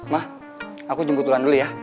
mah aku jemput duluan dulu ya